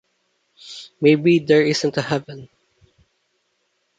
maybe there isn't a heaven